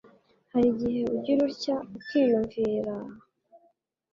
Hari igihe ugira utya ukiyumviraaaa